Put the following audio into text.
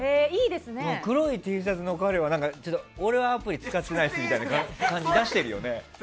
黒いＴシャツの彼は俺はアプリ使ってないっすみたいな感じを出してるよね。